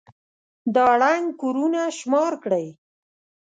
دا ړنـګ كورونه شمار كړئ.